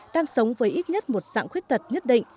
đang sống với ít nhất một dạng khuyết tật nhất định